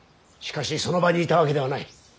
しかしその場にいたわけではない。